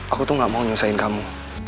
aku tuh gak mau nyusahin kamu